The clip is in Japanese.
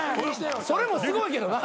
それもすごいけどな。